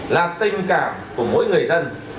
lãnh đạo của mỗi người dân